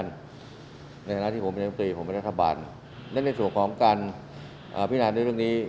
ในฐานะที่ผมเป็นน้ำตรีผมเป็นรัฐบาลและในส่วนของการพินาในเรื่องนี้